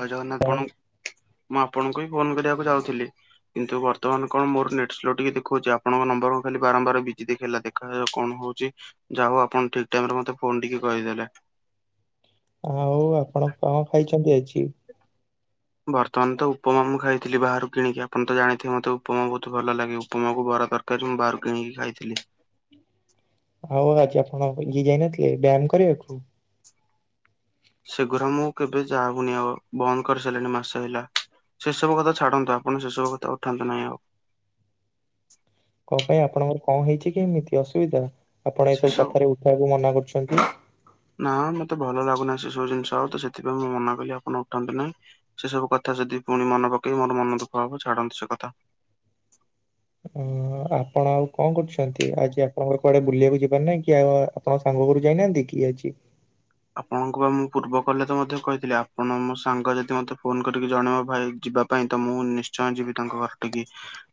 ହଉ ଜଗନ୍ ନାଇଁ, ଆପଣ ମୁଁ ଆପଣଙ୍କୁ ହିଁ ଫୋନ କରିବାକୁ ଚାହୁଥିଲି। କିନ୍ତୁ ବର୍ତ୍ତମାନ କଣ ମୋର ନେଟ ସ୍ଲୋ ଟିକେ ଦେଖଉଛି ଆପଣଙ୍କ ନମ୍ବର କ ଖାଲି ବାରମ୍ବାର ବିଜି ଦେଖେଇ ଲା। କଣ ହଉଛି ଯାହା ଆପଣ ଠିକ ଟାଇମରେ ମତେ ଫୋନ ଟେ କହିଦେଲେ। ଆଉ ଆପଣ କଣ ଖାଇଛନ୍ତି ଆଜି? ବର୍ତ୍ତମାନ ତ ଉପମା ମୁଁ ଖାଇଥିଲି ବାହାରୁ କିଣିକି ଆପଣ ତ ଜାଣିଥିବ ମତେ ଉପମା ବହୁତ ଭଲ ଲାଗେ ଉପମାକୁ ବର ଦରକାର। [unintelligible] ବାହାରୁ କିଣିକି ଖାଇଥିଲି। ହଉ ଆଜି ଆପଣ ଇଏ ଯାଇନଥିଲେ ବ୍ୟାୟାମ କରିବାକୁ। ସେଗୁରା ମୁଁ କେବେ ଯାଉନି ଆଉ ବନ୍ଦ କରିସାରିଲଣି ମାସେ ହେଲା। ସେସବୁ କଥା ଛାଡନ୍ତୁ ଆପଣ ସେସବୁ କଥା ଉଠାନ୍ତୁ ନାହିଁ ଆଉ। କଣ ପାଇଁ ଆପଣଙ୍କର କଣ ହେଇଛି କି ଏମିତି ଅସୁବିଧା ଆପଣ ସେ ଏସବୁ ସବୁ କଥାରେ ଉଠେଇବାକୁ ମନା କରୁଛନ୍ତି। ନା ମତେ ଭଲ ଲାଗୁନାହି ସେସବୁ ଜିନିଷ ଆ ତ ସେଥିପାଇଁ ମୁଁ ମନା କଲି ଆପଣ ଉଠାନ୍ତୁ ନାହିଁ। ସେ ସବୁ କଥା ଯଦି ପୁଣି ମତେ ପକେଇବି ମୋର ମନ ଦୁଃଖ ହବ ଛାଡ଼ନ୍ତୁ ସେ କଥା। ଅ ଆପଣ ଆଉ କଣ କରୁଛନ୍ତି ଆଜି ଆପଣଙ୍କର କୁଆଡେ ବୁଲିବାକୁ ଯିବାର ନାହିଁ କି ଆଉ। ପଣ ସାଙ୍ଗ ଘରୁ ଯାଇନାହାନ୍ତି କି ଆଜି। ଆପଣଙ୍କୁ ବା ମୁଁ ପୂର୍ବ କହଲେ ତ ମଧ୍ୟ କହିଥିଲି ଆପଣ ମୋ ସାଙ୍ଗ ଯଦି ମତେ ଫୋନ କରିକି ଜଣେଇବ ଭାଇ ଯିବା। ପାଇଁ ତ ମୁଁ ନିଶ୍ଚୟ ଯିବି ତାଙ୍କ ଘର ଟିକି।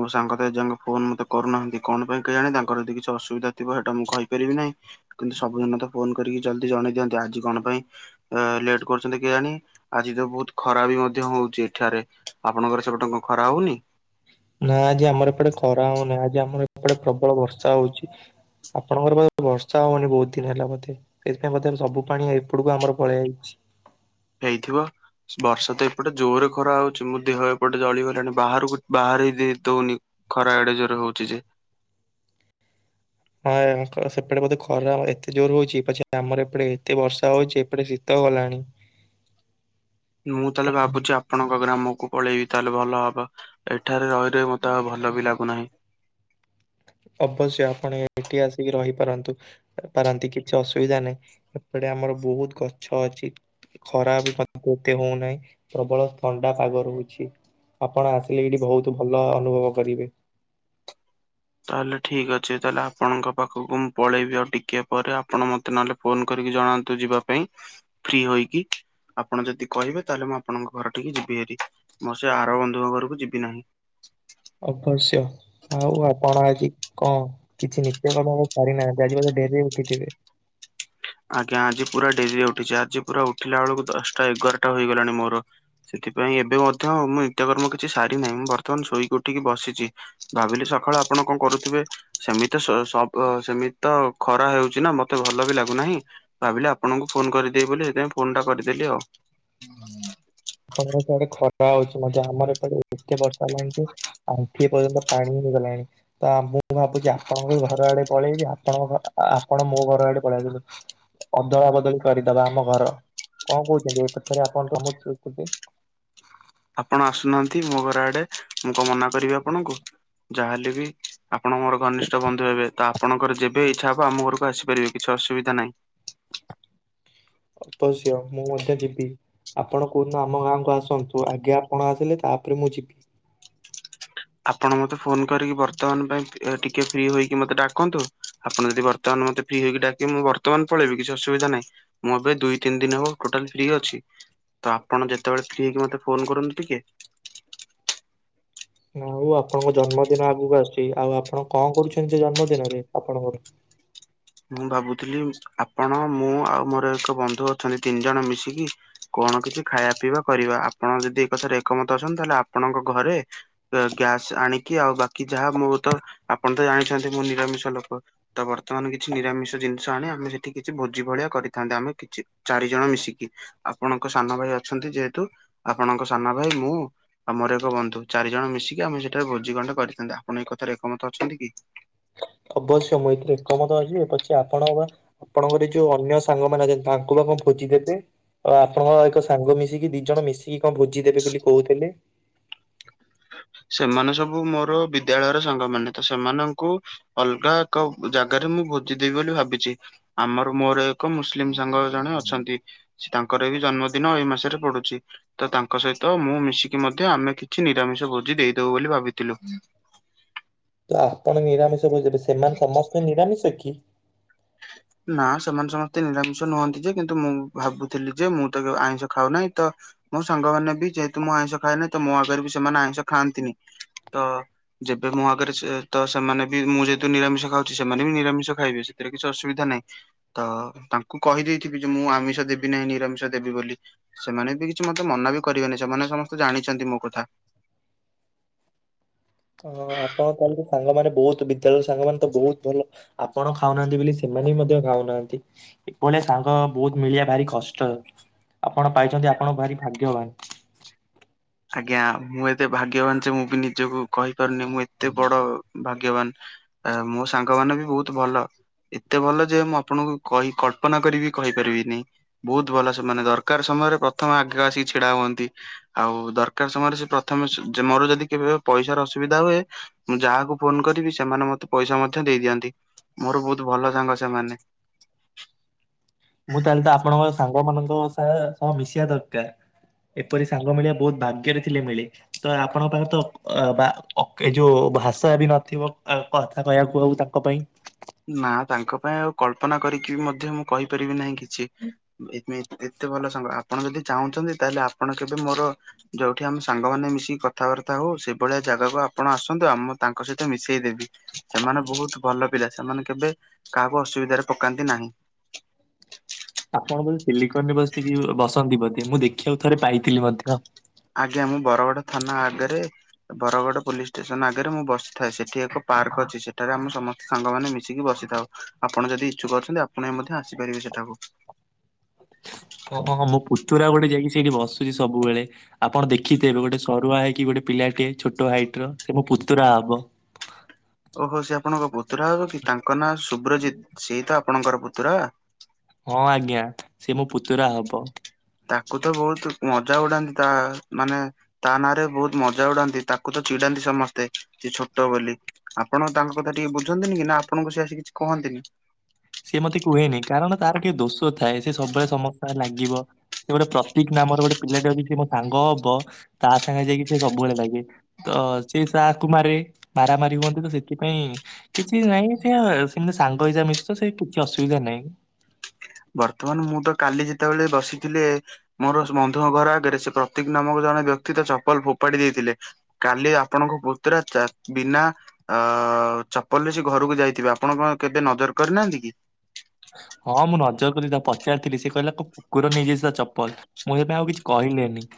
ମୋ ସାଙ୍ଗ ତ ଏଯାକେ ଫୋନ ମୋତେ କରୁନାହାନ୍ତି କଣ ପାଇଁ କେହି ଜାଣ ତାର ଯଦି କିଛି ଅସୁବିଧା ଥିବ ସେଟା ମୁଁ କହିପାରିବି ନାହିଁ। କିନ୍ତୁ ସବୁଦିନ ତ ଫୋନ କରିକି ଜଲଦି ଜଣେଇ ଦିଅନ୍ତି ଆଜି କଣ ପାଇଁ ଲେଟ କରୁଛନ୍ତି କିଏ ଜାଣି। ଆଜି ତ ବହୁତ ଖରାପ ବି ମଧ୍ୟ ହଉଛି ଏଠାରେ ଆପଣଙ୍କର ସେବଟେ କନ ଖରା ହଉନି? ନା ଆଜି ଆମର ଏପଟେ ଖରା ହଉନାହିଁ ଆଜି ଆମର ଏପଟେ ପ୍ରବଳ ବର୍ଷା ହଉଛି। ଆପଣଙ୍କର ପା ବର୍ଷା ହଉନି ବହୁତ ଦିନ ହେଲା ବଧେ। ସେଇଥିପାଇଁ ବରେ ସବୁ ପାଣି ଏପଟକୁ ଆମର ପଳେଇଆଇଛି। ହେଇଥିବ ବର୍ଷା ତ ଏପଟେ ଜୋରେ ଖରା ହଉଛି ମୋ ଦେହ ଏପଟେ ଜଳିଗଲାଣି ବାହାରକୁ ବାହ ରେଇ ଦଉନି। ଖରା ଆଡେ ଜୋରରେ ହଉଛି ଯେ। ହଁ ସେପଟେ ବୋଧେ ଖରା ଏତେ ଜୋର ହଉଛି ପଛେ ଆମର ଏପଟେ ଏତେ ବର୍ଷା ହଉଛି ଏଟେ ଶୀତ ହେଲାଣି। ମୁଁ ତାହେଲେ ଭାବୁଛି ଆପଣଙ୍କ ଗ୍ରାମକୁ ପଳେଇବି ତାହେଲେ ଭଲ ହବ। ଏଠାରେ ରହି ରହି ମତେ ଆଉ ଭଲ ବି ଲାଗୁନାହିଁ। ଅବଶ୍ୟ ଆପଣ ଏଠି ଆସିକି ରହିପାରନ୍ତୁ। ପାରନ୍ତି କିଛି ଅସୁବିଧା ନାହିଁ ଏପଟେ ଆମର ବହୁତ ଗଛ ଅଛି। ଖରା ବି ଏତେ ହଉନାହିଁ ପ୍ରବଳ ଥଣ୍ଡା ପାଗ ରହୁଛି। ଆପଣ ଆସିଲେ ଏଇଠି ବହୁତ ଭଲ ଅନୁଭବ କରିବେ। ତାହେଲେ ଠିକ ଅଛି ତାହେଲେ ଆପଣଙ୍କ ପାଖକୁ ମୁଁ ପଳେଇବି ଆଉ ଟିକେ ପରେ ଆପଣ ମତେ ନହେଲେ। ଫୋନ୍ କରିକି ଜଣାନ୍ତୁ ଯିବା ପାଇଁ ଫ୍ରି ହୋଇକି। ଆପଣ ଯଦି କହିବେ ତାହେଲେ ମୁଁ ଆପଣଙ୍କ ଘର ଠିକି ଯିବିହାରି। ମୋର ସେ ଆର ବନ୍ଧୁଙ୍କ ଘରକୁ ଯିବି ନାହିଁ। ଅବଶ୍ୟ। ଆଉ ଆପଣ ଆଜି କଣ କିଛି ନିତ୍ୟ ର୍କମ କରି ନାହାନ୍ତି। ଆଜି ବୋଧେ ଡେରିରେ ଉଠିଥିବେ। ଆଜ୍ଞା ଆଜି ପୁରା ଡେରିରେ ଉଠିଚି। ଆଜି ପୁରା ଉଠିଲା ବେଳକୁ ଦଶଟା ଏଗାରଟା ହେଇଗଲାଣି ମୋର। ସେଥିପାଇଁ ଏବେ ମଧ୍ୟ ମୁଁ ନିତ୍ୟକର୍ମ କିଛି ସାରି ନାହିଁ। ମୁଁ ବର୍ତ୍ତମାନ ଶୋଇକ ଉଠିକି ବସିଚି। ଭାବିଲି ସକାଳୁ ଆପଣ କଣ କରୁଥିବେ। ସେମିତି ସ ସ କ ସେମିତି ତ ଖରା ହୋଉଚି ନା ମତେ ଭଲ ବି ଲାଗୁନାହିଁ। ଭାବିଲେ ଆପଣଙ୍କୁ ଫୋନ୍ କରିଦିଏ ବୋଲି ସେଥିପାଇଁ ଫୋନଟା କରିଦେଲି ଆଉ। ଆପଣଙ୍କ ଆଡେ ଖଟା ହୋଉଚି ମଧ୍ୟ ଆମର ଏପଟେ ଏତେ ବର୍ଷା ହେଲାଣି ଯେ ଆଣ୍ଠିଏ ପର୍ଯ୍ୟନ୍ତ ପାଣି ହେଇଗଲାଣି। ତା ମୁଁ ଭାବୁଚି ଆପଣଙ୍କ ଘର ଆଡେ ପଳେଇବି। ଆପଣଙ୍କ ଆପଣ ମୋ ଘର ଆଡେ ପଳେଇ ଆସନ୍ତୁ। ଅଦଳା ବଦଳି କରିଦବା ଆମ ଘର କଣ କୋହୁଚନ୍ତି? ଏ କଥାରେ ଆପଣ [unintelligible] ଆପଣ ଆସୁନାହାନ୍ତି ମୋ ଘର ଆଡେ। ମୁଁ କଣ ମନା କରିବି ଆପଣଙ୍କୁ? ଯାହାହେଲେ ବି ଆପଣ ମୋର ଘନିଷ୍ଠ ବନ୍ଧୁ ହେବେ। ତ ଆପଣଙ୍କର ଯେବେ ଇଚ୍ଛା ହବ ଆମ ଘରକୁ ଆସିପାରିବେ। କିଛି ଅସୁବିଧା ନାହିଁ। ଅବଶ୍ୟ ମୁଁ ମଧ୍ୟ ଯିବି। ଆପଣ କୋଉ ଦିନ ଆମ ଗାଁକୁୁ ଆସନ୍ତୁ ଆଗେ ଆପଣ ଆସିଲେ ତାପରେ ମୁଁ ଯିବି। ଆପଣ ମତେ ଫୋନ୍ କରିକି ବର୍ତ୍ତମାନ ପାଇଁ ଫି ଟିକେ ଫ୍ରି ହୋଇକି ମତେ ଡାକନ୍ତୁ। ଆପଣ ଯଦି ବର୍ତ୍ତମାନ ମତେ ଫ୍ରି ହେଇକି ଡାକିବେ ମୁଁ ବର୍ତ୍ତମାନ ପଳେଇବ କିଛି ଅସୁବିଧା ନାହିଁ। ମୁଁ ଏବେ ଦୁଇ ତିନି ଦିନ ହବ ଟୋଟାଲ ଫ୍ରି ଅଛି। ତ ଆପଣ ଯେତେବେଳେ ଫ୍ରୀ ହେଇକି ମତେ ଫୋନ୍ କରନ୍ତୁ ଟିକେ। ଆଉ ଆପଣଙ୍କ ଜନ୍ମଦିନ ଆଗକୁ ଆସିୁଚି। ଆଉ ଆପଣ କଣ କରୁଚନ୍ତି ଜନ୍ମ ଦିନରେ ଆପଣଙ୍କର? ମୁଁ ଭାବୁଥିଲି ଆପଣ ମୁଁ ଆଉ ମୋର ଏକ ବନ୍ଧୁ ଅଛନ୍ତି। ତିନି ଜଣ ମିଶିକି କଣ କିଛି ଖାଇବା ପିଇବା କରିବା। ଆପଣ ଯଦି ଏ କଥାରେ ଏକମତ ଅଛନ୍ତି ତାହେଲେ ଆପଣଙ୍କ ଘରେ ଗ୍ୟାସ ଆଣିକି ଆଉ ବାକି ଯାହା ମୁ ତ ଆପଣ ତ ଜାଣିଚନ୍ତି ମୁଁ ନିରାମିଷ ଲୋକ। ତ ବର୍ତ୍ତମାନ କି ଛି ନିରାମିଷ ଜିନିଷ ଆଣି ଆମେ ସେଠି କିଛି ଭୋଜି ଭଳିଆ କରିଥାନ୍ତେ। ଆମେ କିଛି ଚାରିଜଣ ମିଶିକି। ଆପଣଙ୍କ ସାନ ଭାଇ ଅଛନ୍ତି ଯେହେତୁ ଆପଣଙ୍କ ସାନ ଭାଇ ମୁଁ ଆମର ଏକ ବନ୍ଧୁ ଚାରି ଜଣ ମିଶିକି ଆମେ ସେଠାରେ ଭୋଜିିଖଣ୍ଡେ କରିଥାନ୍ତେ। ଆପଣ ଏ କଥାରେ ଏକମତ ଅଛନ୍ତି କି? ଅବଶ୍ୟ ମୁଁ ଏଥିରେ ଏକମତ ଅଛିି [unintelligible] ପଛେ ଆପଣ ବା ଆପଣଙ୍କ ଘରେ ଯୋଉ ଅନ୍ୟ ସାଙ୍ଗମାନେ ଅଛନ୍ତି ତାଙ୍କୁ ଆପଣ କଣ ଭୋଜି ଦେବେ? ଆଉ ଆପଣଙ୍କ ଏକ ସାଙ୍ଗ ମିଶିକି ଦି ଜଣ ମିଶିକି କଣ ଭୋଜି ଦେବେ ବୋଲି କୋହୁଥିଲେ? ସେମାନେ ସବୁ ମୋର ବିଦ୍ୟାଳୟର ସାଙ୍ଗମାନେ ତ ସେମାନଙ୍କୁ ଅଲଗା ଏକ ଜାଗାରେ ମୁଁ ଭୋଜିଦବି ବୋଲି ଭାବିଚି। ଆମର ମୋର ଏକ ମୁସଲିମ୍ ସାଙ୍ଗ ଜଣେ ଅଛନ୍ତି। ସେ ତାଙ୍କର ବି ଜନ୍ମଦିନ ଏଇ ମାସରେ ପଡୁଚି ତ ତାଙ୍କ ସହିତ ମୁଁ ମିଶିକି ମଧ୍ୟ ଆମେ କିଛି ନି ରାମିଷ ଭୋଜି ଦେଇଦୋବୁ ବୋଲି ଭାବିଥିଲୁ। ତ ଆପଣ ନିରାମିଷ ଭୋଜିରେ ସେମାନେ ସମସ୍ତେ ନିରାମିଷ କି? ନା ସେମାନେ ସମସ୍ତେ ନିରାମିଷ ନୁହନ୍ତି ଯେ କିନ୍ତୁ ମୁଁ ଭାବୁଥିଲି ଯେ ମୁଁ ତ ଆଇଁଷ ଖାଉ ନାହିଁ ତ ମୋ ସାଙ୍ଗମାନେ ବି ଯେହେତୁ ମୁଁ ଆଇଁଷ ଖାଏନି ତ ମୋ ଆଗରେ ବି ସେମାନେ ଆଇଁଷ ଖାଆନ୍ତିନି ତ ଯେବେ ମୋ ଆଗରେ ସେ ତ ସେମାନେ ବି ମୁଁ ଯେହେତୁ ନିରାମିଷ ଖାଉଚି। ସେମାନେ ବି ନିରାମିଷ ଖାଇବେ ସେଥିରେ କିଛି ଅସୁବିଧା ନାହିଁ ତ ତାଙ୍କୁ କହିଦେଇଥିବି ଯେ ମୁଁ ଆମିଷ ଦେବି ନାହିଁ ନିରାମିଷ ଦେବି ବୋଲି। ସେମାନେ ବି କିଛି ମତେ ମନା ବି କରିବେନି ସେମାନେ ସମସ୍ତେ ଜାଣିଚନ୍ତି ମୋ କଥା। ହଁ ଆପଣ ତାହେଲେ ସାଙ୍ଗମାନେ ବୋହୁତ ବିଦ୍ୟାଳୟର ସାଙ୍ଗମାନେ ତ ବୋହୁତ ଭଲ। ଆପଣ ଖାଉନାହାନ୍ତି ବୋଲି ସେମାନେ ବି ମଧ୍ୟ ଖାଉନାହାନ୍ତି‌। ଏଭଳିଆ ସାଙ୍ଗ ବହୁତ ମିଳିବା ଭାରି କଷ୍ଟ, ଆପଣ ପାଇଛନ୍ତି ଆପଣଙ୍କ ଭାରି ଭାଗ୍ୟବାନ। ଆଜ୍ଞା ମୁଁ ଏତେ ଭାଗ୍ୟବାନ ଯେ ମୁଁ ବି ନିଜକୁ କହିପାରୁନି ମୁଁ ଏତେ ବଡ ଭାଗ୍ୟବାନ‌। ଏ ମୋ ସାଙ୍ଗ ମାନେ ବି ବହୁତ ଭଲ। ଏତେ ଭଲ ଯେ ମୁଁ ଆପଣଙ୍କୁ କହି କଳ୍ପନା କରି ବି କହିପାରିବିନି‌। ବହୁତ ଭଲ ସେମାନେ ଦରକାର ସମୟରେ ପ୍ରଥମେ ଆଗରେ ଆସିକି ଛିଡା ହୁଅନ୍ତି। ଆଉ ଦରକାର ସମୟରେ ସେ ପ୍ରଥମେ ସୁ- ଯେ ମୋର ଯଦି କେବେ ପଇସାର ଅସୁବିଧା ହୁଏ ମୁଁ ଯାହାକୁ ଫୋନ୍ କରିବି ସେମାନେ ମୋତେ ପଇସା ମଧ୍ୟ ଦେଇ ଦିଅନ୍ତି। ମୋର ବହୁତ ଭଲ ସାଙ୍ଗ ସେମାନେ। ମୁଁ ତାହେଲେ ତ ଆପଣଙ୍କ ସାଙ୍ଗ ମାନଙ୍କ ସଏ ସହ ମିଶିବା ଦରକାର। ଏପରି ସାଙ୍ଗ ମିଳିଆ ବହୁତ ଭାଗ୍ୟରେ ଥିଲେ ମିଳେ‌। ତ ଆପଣଙ୍କ ପାଖେ ତ ଅ, ବା- ଏ ଯୋଉ ଭାଷା ବି ନଥିବ‌? ଆ କଥା କହିବାକୁ ଆଉ ତାଙ୍କ ପାଇଁ। ନା ତାଙ୍କ ପାଇଁ ଆଉ କଳ୍ପନା କରିକି ମଧ୍ୟ ମୁଁ କହିପାରିବି ନାହିଁ କିଛି। ଏବେ ଏତେ ଭଲ ସାଙ୍ଗ, ଆପଣ ଯଦି ଚାହୁଁଛନ୍ତି ତାହେଲେ ଆପଣ କେବେ ମୋର ଯୋଉଠି ଆମେ ସାଙ୍ଗମାନେ ମିଶିକି କଥାବାର୍ତ୍ତା ହଉ ସେଭଳିଆ ଜାଗାକୁ ଆପଣ ଆସନ୍ତୁ, ଆମ ତାଙ୍କ ସହିତ ମିଶେଇ ଦେବି। ସେମାନେ ବହୁତ ଭଲ ପିଲା, ସେମାନେ କେବେ କାହାକୁ ଅସୁବିଧାରେ ପକାନ୍ତି ନାହିଁ। ଆପଣ ବୋଧେ ସିଲିକନ ରେ ବସିକି ବସନ୍ତି ବୋଧେ ମୁଁ ଦେଖିବାକୁ ଥରେ ପାଇଥିଲି ମଧ୍ୟ? ଆଜ୍ଞା ମୁଁ ବରଗଡ ଥାନା ଆଗରେ ବରଗଡ ପୋଲିସ୍ ଷ୍ଟେସନ୍ ଆଗରେ ମୁଁ ବସିଥାଏ। ସେଠି ଏକ ପାର୍କ ଅଛି। ସେଠାରେ ଆମ ସମସ୍ତ ସାଙ୍ଗ ମାନେ ମିଶିକି ବସିଥାଉ। ଆପଣ ଯଦି ଇଚ୍ଛୁକ ଅଛନ୍ତି ଆପଣ ବି ମଧ୍ୟ ଆସିପାରିବେ ସେଠାକୁ। ଓ ହୋ, ହଁ ମୋ ପୁତୁରା ଗୋଟେ ଯାଇକି ସେଇଠି ବସୁଚି ସବୁବେଳେ। ଆପଣ ଦେଖିଥିବେ ଗୋଟେ ସରୁଆ ହେଇକି ଗୋଟେ ପିଲାଟିଏ ଛୋଟ ହାଇଟ୍ ର ସେ ମୋ ପୁତୁରା ହବ। ଓହୋ, ସେ ଆପଣଙ୍କ ପୁତୁରା ହବ କି ତାଙ୍କ ନାଁ ସୁବ୍ରଜିତ୍ ସିଏ ତ ଆପଣଙ୍କର ପୁତୁରା? ହଁ ଆଜ୍ଞା ସିଏ ମୋ ପୁତୁରା ହବ। ତାକୁ ତ ବହୁତ ମଜା ଉଡାନ୍ତି ତା ମାନେ ତା ନାଁ ରେ ବହୁତ ମଜା ଉଡାନ୍ତି, ତାକୁ ତ ଚିଡାନ୍ତି ସମସ୍ତେ ସେ ଛୋଟ ବୋଲି। ଆପଣ ତାଙ୍କ କଥା ଟିକେ ବୁଝନ୍ତିନି କି ନା ଆପଣଙ୍କୁ ସେ ଆସି କିଛି କହନ୍ତିନି? ସିଏ ମୋତେ କୁହେନି କାରଣ ତାର ଟିକେ ଦୋଷ ଥାଏ ସେ ସବୁବେଳେ ସମସ୍ତଙ୍କ ସାଙ୍ଗରେ ଲାଗିବ। ସେ ଗୋଟେ ପ୍ରତୀକ ନାମର ଗୋଟେ ପିଲାଟେ ଅଛି ସେ ମୋ ସାଙ୍ଗ ହବ ତା ସାଙ୍ଗେ ଯାଇକି ସେ ସବୁବଳେ ଲାଗେ। ତ ସିଏ ସା ଆକୁ ମାରେ ମାରାମାରି ହୁଅନ୍ତି ତ, ସେଥିପାଇଁ କିଛି ନାଇଁ ସେ ସେମିତି ସାଙ୍ଗ ହିସାବରେ ମିଶୁଚ ସେଇ ପୁ- କିଛି ଅସୁବିଧା ନାଇଁ। ବର୍ତ୍ତମାନ ମୁଁ ତ କାଲି ଯେତେବେଳେ ବସିଥିଲେ ମୋର ବନ୍ଧୁଙ୍କ ଘର ଆଗେରେ ସେ ପ୍ରତୀକ ନାମକ ଜଣେ ବ୍ୟକ୍ତି ତା ଚପଲ ଫୋପାଡ଼ି ଦେଇଥିଲେ। କାଲି ଆପଣଙ୍କ ପୁତୁରା ଚା- ବିନା ଅ, ଚପଲରେ ସେ ଘରକୁ ଯାଇଥିବେ, ଆପଣ କଣ କେବେ ନଜର କରିନାହାନ୍ତି କି? ହଁ ମୁଁ ନଜର କଲି ତାକୁ ପଚାରିଥିଲି ସେ କହିଲା କୁ- କୁକୁର ନେଇଯାଇଚଛି ତା ଚପଲ। ମୁଁ ସେଇଥିପାଇଁ ଆଉ କିଛି କହିଲିନି।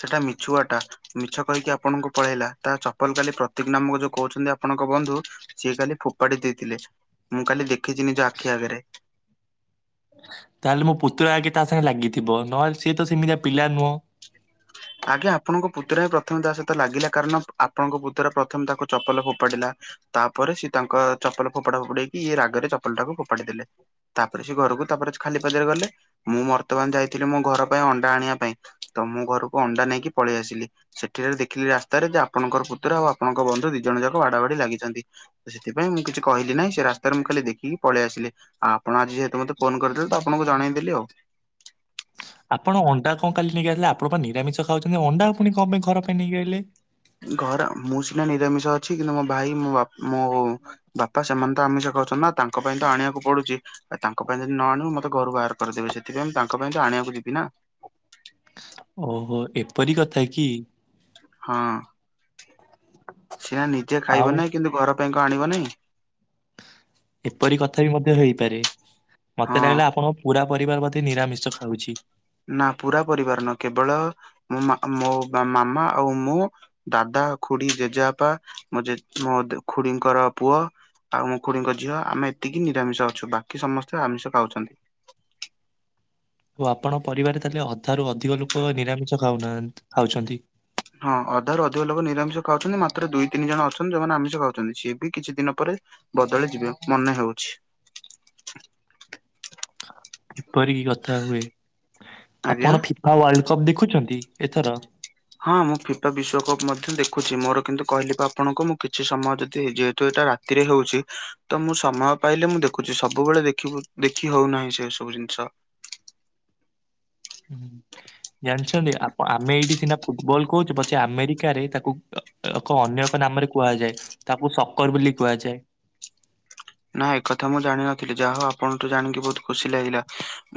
ସେଟା ମିଛୁଆଟା। ମିଛ କହିକି ଆପଣଙ୍କୁ ପଳେଇଲା, ତା ଚପଲ କାଲି ପ୍ରତୀକ ନାମକ ଯୋଉ କହୁଛନ୍ତି ଆପଣଙ୍କ ବନ୍ଧୁ ସିଏ କାଲି ଫୋପାଡି ଦେଇଥିଲେ, ମୁଁ କାଲି ଦେଖିଚି ନିଜ ଆଖି ଆଗରେ। ତାହେଲେ ମୋ ପୁତୁରା ଆଗେ ତା ସାଙ୍ଗେ ଲାଗିଥିବ। ନହେଲେ ସିଏ ତ ସେମିତିଆ ପିଲା ନୁହଁ। ଆଜ୍ଞା ଆପଣଙ୍କ ପୁତୁରା ପ୍ରଥମେ ତା ସହିତ ଲାଗିଲା, କାରଣ ଆପଣଙ୍କ ପୁତୁରା ପ୍ରଥମେ ତାକୁ ଚପଲ ଫୋପାଡ଼ିଲା। ତାପରେ ସିଏ ତାଙ୍କ ଚପଲ ଫୋପଡା ଫୋପଡି ହେଇକି ଇଏ ରାଗରେ ଚପଲ ଟାକୁ ଫୋପାଡ଼ି ଦେଲେ। ତାପରେ ସେ ଘରୁକୁ ତାପରେ ଖାଲି ପାଦରେ ଗଲେ। ମୁଁ ବର୍ତ୍ତମାନ ଯାଇଥିଲି ମୋ ଘର ପାଇଁ ଅଣ୍ଡା ଆଣିବା ପାଇଁ, ତ ମୁଁ ଘରୁକୁ ଅଣ୍ଡା ନେଇକି ପଳେଇ ଆସିଲି। ସେଠିକାରେ ଦେଖିଲି ରାସ୍ତାରେ ଯେ ଆପଣଙ୍କର ପୁତୁର ଆଉ ଆପଣଙ୍କ ବନ୍ଧୁ ଦିଇ ଜଣ ଯାକ ବାଡା ବାଡି ଲାଗିଚନ୍ତି। ସେଥିପାଇଁ ମୁଁ କିଛି କହିଲି ନାହଁ ସେ ରାସ୍ତାରେ ମୁଁ ଖାଲି ଦେଖିକି ପଳେଇ ଆସିଲି। ଆପଣ ଆଜି ଯେହେତୁ ମତେ ଫୋନ କରିଦେଲେ ତ ଆପଣଙ୍କୁ ଜଣେଇଦେଲି ଆଉ। ଆପଣ ଅଣ୍ଡା କଣ କାଲି ନେଇକି ଆଇଥିଲେ ଆପଣ ପା ନିରାମିଷ ଖାଉଚନ୍ତି ଅଣ୍ଡା ପୁଣି କଣ ପାଇଁ ଘର ପାଇଁ ନେଇକି ଆଇଲେ। ଘର ମୁଁ ସିନା ନିରାମିଷ ଅଛି କିନ୍ତୁ ମୋ ଭାଇ ମୋ ବାପ ମୋ ବାପା ସେମାନେ ତ ଆମିଷ ଖାଉଚନ୍ତି ନା ତାଙ୍କ ପାଇଁ ତ ଆଣିବାକୁ ପଡୁଚି। ଆ ତାଙ୍କ ପାଇଁ ଯଦି ନ ଆଣିବୁ ମତେ ଘରୁ ବାହାର କରିଦେବେ ସେଥିପାଇଁ ମୁଁ ତାଙ୍କ ପାଇଁ ତ ଆଣିବାକୁ ଯିବି ନା। ଓହୋ ଏପରି କଥା କି? ହଁ ସିନା ନିଜେ ଆଉ ଖାଇବ ନାଇଁ କିନ୍ତୁ ଘର ପାଇଁ କଣ ଆଣିବ ନାଇଁ। ଏପରି କଥା ବି ମଧ୍ୟ ହେଇପାରେ ମତେ ହଁ ଲାଗିଲା ଆପଣଙ୍କ ପୁରା ପରିବାର ବଧେ ନିରାମିଷ ଖାଉଛି। ନା ପୁରା ପରିବାର ନୁ କେବଳ ମୋ ମା ମୋ ମାମା ଆଉ ମୁଁ ଦାଦା ଖୁଡି ଜେଜେବାପା ମୋ ଜେଜ ମୋ ଦେ ଖୁଡିଙ୍କର ପୁଅ। ଆଉ ମୋ ଖୁଡିଙ୍କ ଝିଅ ଆମେ ଏତିକି ନିରାମିଷ ଅଛୁ ବାକି ସମସ୍ତେ ଆମିଷ ଖାଉଛନ୍ତି। ଓ ଆପଣ ପରିବାରେ ତାହେଲେ ଅଧାରୁୁ ଅଧିକ ଲୋକ ନିରାମିଷ ଖାଉନାଆନ୍ତି ଖାଉଛନ୍ତି। ହଁ ଅଧାରୁ ଅଧିକ ଲୋକ ନିରାମିଷ ଖାଉଚନ୍ତି ମାତ୍ର ଦୁଇ ତିନି ଜଣ ଅଛନ୍ତି ଯୋଉମାନେ ଆମିଷ ଖାଉଚନ୍ତି ସିଏ ବି କିଛି ଦିନ ପରେ ବଦଳି ଯିବେ ମନେ ହେଉଛି। ଏପରିକି କଥା ହୁଏ ଆଜ୍ଞା ଆପଣ ଫି ପା ୱାର୍ଲଡ କପ୍ ଦେଖୁଛନ୍ତି ଏଥର? ହଁ ମୁଁ ଫିଫା ବିଶ୍ଵକପ୍ ମଧ୍ୟ ଦେଖୁଚି ମୋର କିନ୍ତୁ କହିଲି ପା ଆପଣଙ୍କୁ ମୁଁ କିଛି ସମୟ ଯଦି ଯେହେତୁ ଏଇଟା ରା ତିରେ ହେଉଛି ତ ମୁଁ ସମୟ ପାଇଲେ ମୁଁ ଦେଖୁଚି ସବୁବଳେ ଦେଖିବୁ-ଦେଖି ହୋଉ ନାହିଁ ସେ ସବୁ ଜିନିଷ। ହୁଁ ଜାଣିଚନ୍ତି ଆପଣ ଆମେ ଏଇଠି ସିନା ଫୁଟବଲ କହୁଚୁ ପଛେ ଆମେରିକାରେ ତାକୁ ଏକ ଅନ୍ୟ ଏକ ନାମରେ କୁହାଯାଏ ତାକୁ ସଙ୍କର ବୋଲି କୁହାଯାଏ। ନା ଏକ କଥା ମୁଁ ଜାଣିନଥିଲି ଯା ହୋଉ ଆପଣଠୁ ଜାଣିକି ବୋହୁତ ଖୁସି ଲାଗିଲା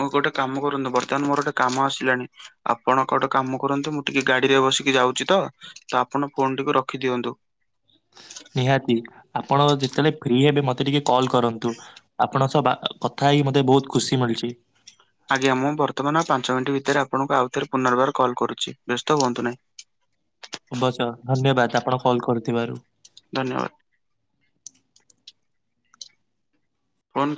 ମୁଁ ଗୋଟେ କାମ କରନ୍ତୁ ବର୍ତ୍ତମାନ ମୋର ଗୋଟେ କାମ ଆସିଲାଣି ଆପଣ ଗୋଟେ କାମ କରନ୍ତୁ ମୁଁ ଟିକେ ଗାଡିରେ ବସିକି ଯାଉଚି ତ ତ ଆପଣ ଫୋନ୍ ଟିକୁ ରଖିଦିଅନ୍ତୁ। ନିହାତି ଆପଣ ଯେତେବେଳେ ଫ୍ରି ହେବେ ମତେ ଟିକେ କଲ୍ କରନ୍ତୁ। ଆପଣଙ୍କ ସହ ବା କଥା ହେଇ ମତେ ବୋହୁତ ଖୁସି ମିଳୁଚି। ଆଜ୍ଞା ମୁଁ ବର୍ତ୍ତମାନ ପାଞ୍ଚ ମିନିଟ୍ ଭିତରେ ଆପଣଙ୍କୁ ଆଉଥରେ ପୁନର୍ବାର କଲ୍ କରୁଚି ବ୍ୟସ୍ତ ହୁଅନ୍ତୁ ନାହିଁ। ଅବଶ୍ୟ ଧନ୍ୟବାଦ ଆପଣ କଲ୍ କରିୁଥିବାରୁ। ଧନ୍ୟବାଦ। ଫୋନ୍